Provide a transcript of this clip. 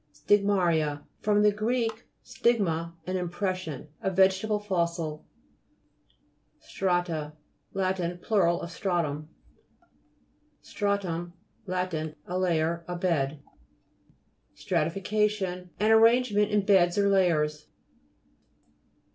STIGMA'RIA fr. gr. stigma, an im pression. A vegetable fossil (p. 42). STHA'TA Lat. plur. of stratum. STRA'TUM Lat. A layer, a bed. STRATTFICA'TION An arrangement in beds or layers.